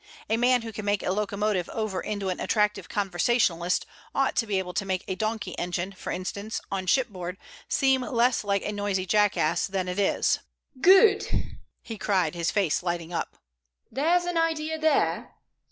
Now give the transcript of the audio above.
A man who can make a locomotive over into an attractive conversationalist ought to be able to make a donkey engine, for instance, on shipboard, seem less like a noisy jackass than it is." "Good!" he cried, his face lighting up. "There's an idea there.